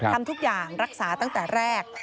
ทำทุกอย่างรักษาตั้งแต่แรก